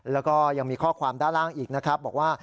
แล้วก็ยังมีข้อความด้านล่างอีกนะครับบอกว่า